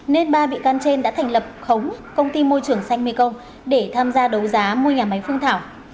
nên ba bị can trên đã thành lập khống công ty môi trường xanh mekong để tham gia đấu giá mua nhà máy phương thảo